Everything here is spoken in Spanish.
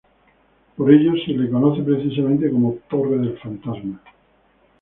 Por ello se la conoce precisamente como "Torre del Fantasma".